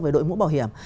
về đội mũ bảo hiểm